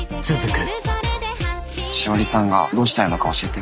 しおりさんがどうしたいのか教えて。